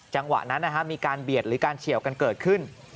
จังหวะนั้นมีการเบียดหรือการเฉียวกันเกิดขึ้น